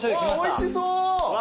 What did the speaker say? おいしそう。